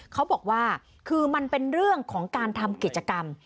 เขาบอกว่าคือมันเป็นเรื่องของการทำกิจกรรม